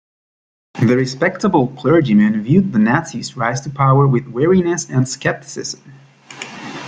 The respectable clergyman viewed the Nazis' rise to power with wariness and scepticism.